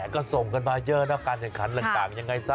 ก็ส่งกันมาเยอะนะการแข่งขันต่างยังไงซะ